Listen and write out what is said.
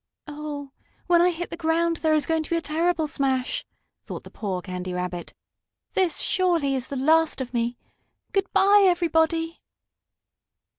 "Oh, when I hit the ground there is going to be a terrible smash!" thought the poor Candy Rabbit. "This, surely, is the last of me! Good bye, everybody!"